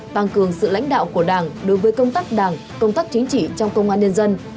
tăng cường sự lãnh đạo của đảng đối với công tác đảng công tác chính trị trong công an nhân dân